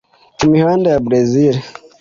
ku mihanda ya Bresil,